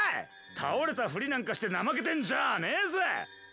倒れたフリなんかしてナマけてんじゃあねーぜッ！